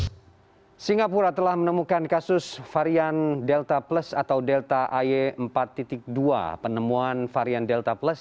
di singapura telah menemukan kasus varian delta plus atau delta ay empat dua penemuan varian delta plus